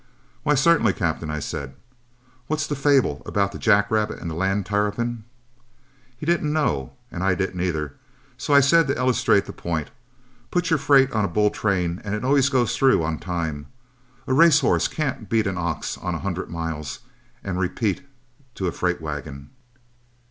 "'Why, certainly, Captain,' I said. 'What's that fable about the jack rabbit and the land tarrapin?' He didn't know and I didn't either, so I said to illustrate the point: 'Put your freight on a bull train, and it always goes through on time. A race horse can't beat an ox on a hundred miles and repeat to a freight wagon.'